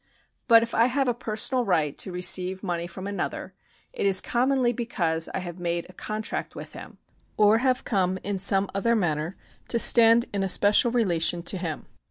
But if I have a personal right to receive money from another, it is commonly because I have made a contract with him, or have come in some other manner to stand in a special relation to him.